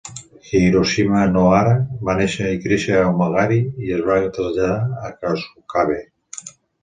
Hiroshi Nohara va néixer i créixer a Omagari i es va traslladar a Kasukabe.